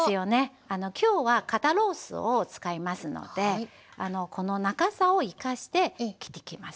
今日は肩ロースを使いますのでこの長さを生かして切っていきますね。